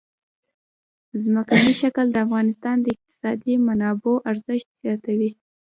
ځمکنی شکل د افغانستان د اقتصادي منابعو ارزښت زیاتوي.